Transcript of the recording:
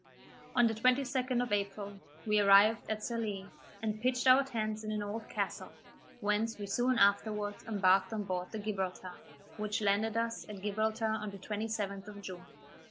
On the 22d of April, we arrived at Sallee, and pitched our tents in an old castle, whence we soon afterwards embarked on board the Gibraltar, which landed us at Gibraltar on the 27th of June.